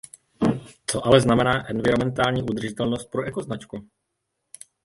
Co ale znamená environmentální udržitelnost pro ekoznačku?